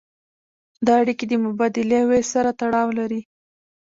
دا اړیکې د مبادلې او ویش سره تړاو لري.